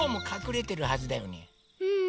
うん。